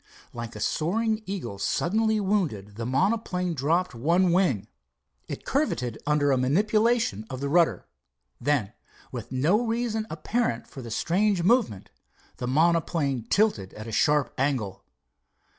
Like a soaring eagle suddenly wounded, the monoplane dropped one wing. It curvetted under a manipulation of the rudder. Then with no reason apparent for the strange movement, the monoplane tilted at a sharp angle.